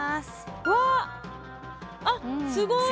うわあっすごい。